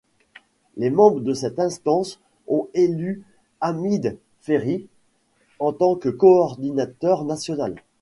Les membres de cette instance ont élu Hamid Ferhi en tant que coordinateur national.